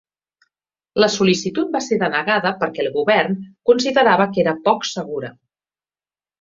La sol·licitud va ser denegada per què el govern considerava que era poc segura.